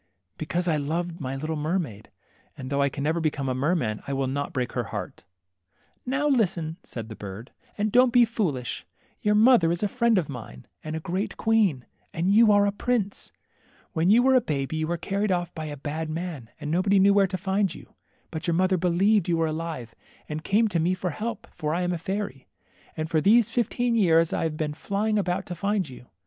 Because I love my little mermaid, and though I can never be a merman, I will not break her heart." THE MERMAID^ 13 Now listen," said the bird, and don't be foolish. Your mother is a friend of mine, and a great queen ; and you are a prince. When you were a baby you were carried off by a bad man, and nobody knew where to find you. But your mother believed you^ were alive, and came to me for help, for I am a fairy. And for these fifteen years I have been flying about to find you.